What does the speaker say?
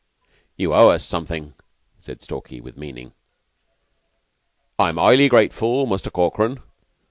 "You owe us something," said Stalky, with meaning. "I'm 'ighly grateful, Muster Corkran.